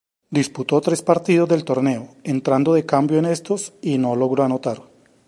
Disputó tres partidos del torneo, entrando de cambio en estos y no logró anotar.